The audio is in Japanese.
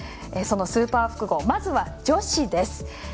そのスーパー複合まずは女子です。